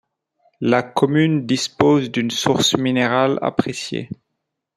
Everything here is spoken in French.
La commune dispose d'une source minérale appréciée.